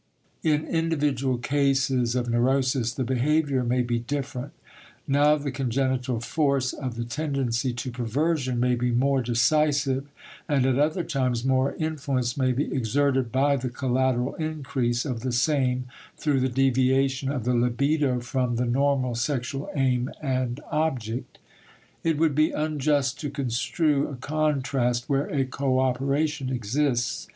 In individual cases of neurosis the behavior may be different; now the congenital force of the tendency to perversion may be more decisive and at other times more influence may be exerted by the collateral increase of the same through the deviation of the libido from the normal sexual aim and object. It would be unjust to construe a contrast where a cooperation exists.